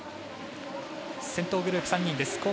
先頭グループ３人です。